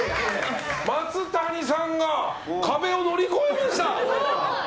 松谷さんが壁を乗り越えました。